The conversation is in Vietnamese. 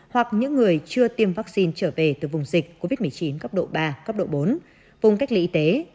hoặc những người chưa tiêm vaccine trở về từ vùng dịch covid một mươi chín cấp độ ba cấp độ bốn vùng cách ly y tế